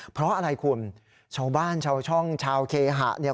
เพราะอะไรคุณชาวบ้านชาวช่องชาวเคหะเนี่ย